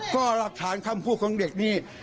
ก็หลักฐานคำพูดของเด็กนี่